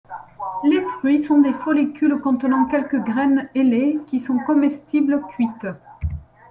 Les fruits sont des follicules contenant quelques graines ailées, qui sont comestibles cuites.